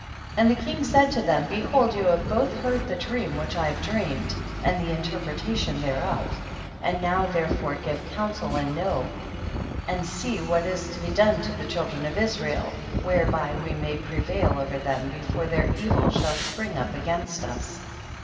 25. And the king said to them, behold you have both heard the dream which I have dreamed, and the in terpretation thereof; now therefore give counsel and know and see what is to be done to the children of Is rael, whereby we may prevail over them, before their evil shall spring up against us.